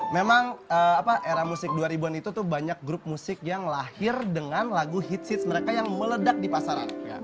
memang era musik dua ribu an itu tuh banyak grup musik yang lahir dengan lagu hitset mereka yang meledak di pasaran